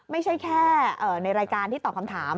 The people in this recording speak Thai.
ไม่ใช่แค่ในรายการที่ตอบคำถาม